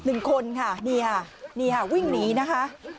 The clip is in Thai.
หนึ่งคนครับนี่ครับวิ่งหนีค่ะ